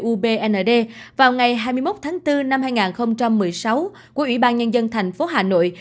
ubnd vào ngày hai mươi một tháng bốn năm hai nghìn một mươi sáu của ủy ban nhân dân thành phố hà nội